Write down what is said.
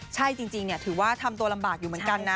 ใช่จริงถือว่าทำตัวลำบากอยู่เหมือนกันนะ